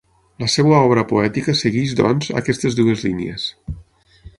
La seva obra poètica segueix, doncs, aquestes dues línies.